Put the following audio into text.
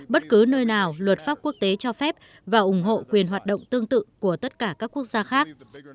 bất cứ nơi nào luật pháp quốc tế cho phép và ủng hộ quyền hoạt động tương tự của tất cả các quốc gia khác